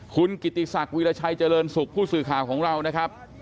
คุณกิติศักดิราชัยเจริญสุขผู้สื่อข่าวของเรานะครับ